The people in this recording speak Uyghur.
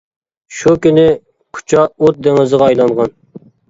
شۇ كۈنى كۇچا ئوت دېڭىزىغا ئايلانغان.